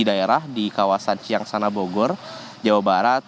daerah di kawasan ciyang sanabogor jawa barat